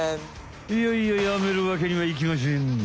いやいややめるわけにはいきましぇん。